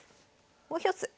もう一つ。